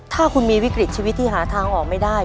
ถ้าคุณมีวิกฤตชีวิตที่หาทางออกไม่ได้